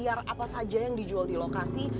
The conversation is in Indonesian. saya akan mencoba gambar di lokasi